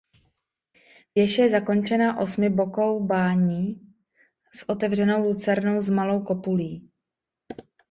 Věž je zakončena osmibokou bání s otevřenou lucernou s malou kopulí.